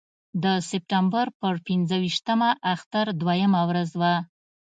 د سپټمبر پر پنځه ویشتمه اختر دویمه ورځ وه.